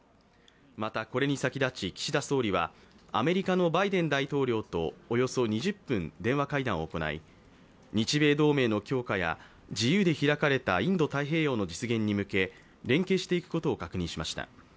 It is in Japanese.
また、これに先立ち岸田総理は、アメリカのバイデン大統領とおよそ２０分、電話会談を行い、日米同盟の強化や自由で開かれたインド太平洋の実現に向け連携していくことを確認しました。